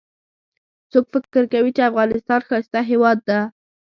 څوک فکر کوي چې افغانستان ښایسته هیواد ده